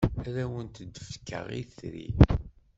Ad awent-d-fkeɣ itri.